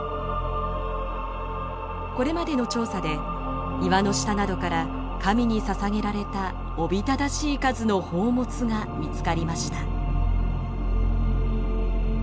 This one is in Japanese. これまでの調査で岩の下などから神に捧げられたおびただしい数の宝物が見つかりました。